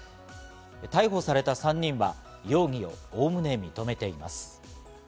逮捕された３人は容疑を概ね認めています。